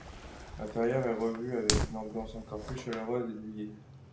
L'intérieur est revu avec une ambiance encore plus chaleureuse et douillette.